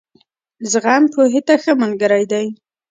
زغم، پوهې ته ښه ملګری دی.